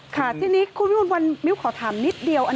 ค่ะที่นี่คุณวิทยุวันนี้ขอถามนิดเดียว